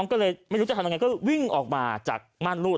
ก็เลยไม่รู้จะทำยังไงก็วิ่งออกมาจากม่านรูด